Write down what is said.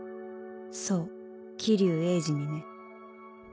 そう霧生鋭治にね。